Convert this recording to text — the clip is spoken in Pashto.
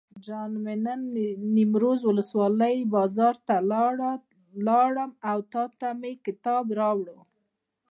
جان مې نن نیمروز ولسوالۍ بازار ته لاړم او تاته مې کتاب راوړل.